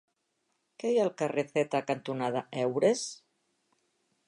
Què hi ha al carrer Zeta cantonada Heures?